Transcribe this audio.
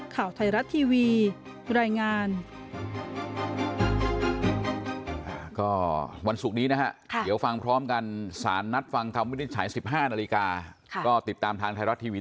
ข่าวไทยรัฐทีวีรายงาน